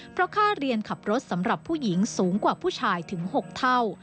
เพราะค่าเรียนขับรถสำหรับผู้หญิงสูงกว่าผู้ชายถึง๖เท่า